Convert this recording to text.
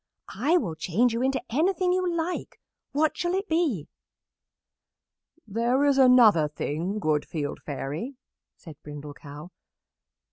"I will change you into anything you like. What shall it be?" "There is another thing, good Field Fairy," said Brindle Cow.